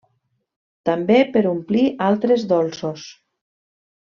També per omplir altres dolços.